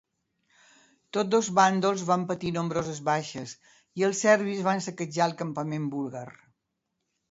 Tots dos bàndols van patir nombroses baixes i els serbis van saquejar el campament búlgar.